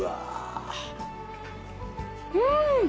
うん！